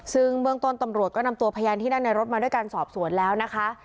ซึ่งเบื้องต้นตำรวจก็นำตัวพยานที่นั่งในรถมาด้วยการสอบสวนแล้วนะคะ